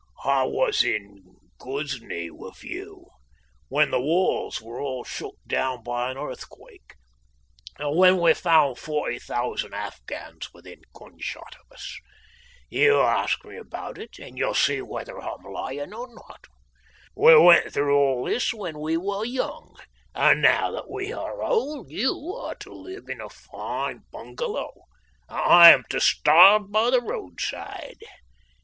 "I was in Ghuznee with you when the walls were all shook down by an earthquake, and when we found forty thousand Afghans within gunshot of us. You ask me about it, and you'll see whether I'm lying or not. We went through all this when we were young, and now that we are old you are to live in a fine bungalow, and I am to starve by the roadside.